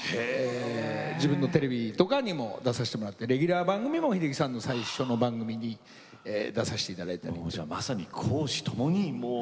自分のテレビとかにも出させてもらってレギュラー番組も秀樹さんの最初の番組に出させていただいたり。